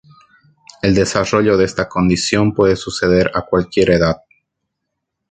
El desarrollo de esta condición puede suceder a cualquier edad.